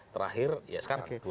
terakhir ya sekarang